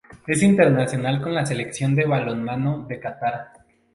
Es internacional con la Selección de balonmano de Qatar.